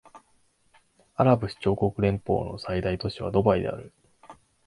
アラブ首長国連邦の最大都市はドバイである